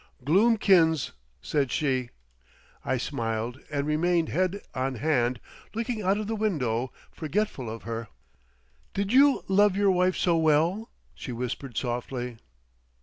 "Gloomkins," said she. I smiled and remained head on hand, looking out of the window forgetful of her. "Did you love your wife so well?" she whispered softly.